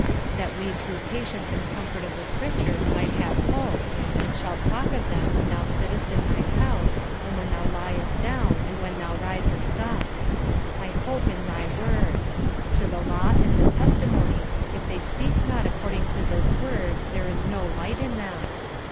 "That we through patience and comfort of the Scriptures might have hope. And shalt talk of them when thou sittest in thine house, and when thou liest down, and when thou risest up." "I hope in thy Word." "To the law and to the testimony; if they speak not according to this Word there is no light in them."